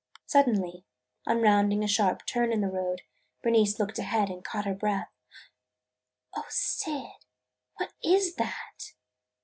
Suddenly, on rounding a sharp turn in the road, Bernice looked ahead and caught her breath. "O Syd, what is that?"